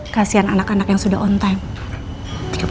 kasian anak anak yang sudah on time